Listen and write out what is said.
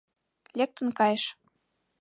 Лектын кайыш.